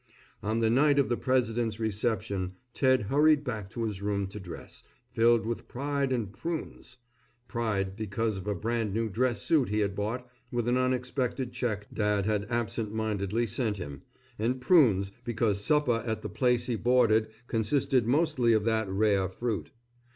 On the night of the president's reception Ted hurried back to his room to dress, filled with pride and prunes. Pride because of a brand new dress suit he had bought with an unexpected check dad had absent mindedly sent him, and prunes because supper at the place he boarded consisted mostly of that rare fruit.